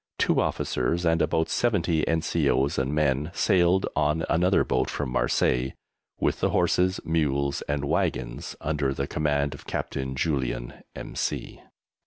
Two officers and about 70 N.C.O.'s and men sailed on another boat from Marseilles, with the horses, mules and wagons, under the command of Captain Julian, M.C.